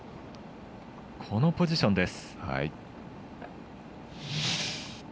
今のポジションです。